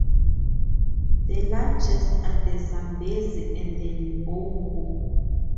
The largest are the Zambezi and the Limpopo.